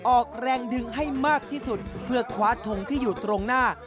ออกแรงดึงให้มากที่สุดเพื่อคว้าทงที่อยู่ตรงหน้า